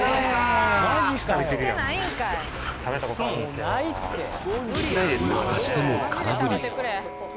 またしても空振り